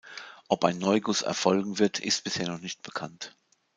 Ob ein Neuguss erfolgen wird, ist bisher noch nicht bekannt.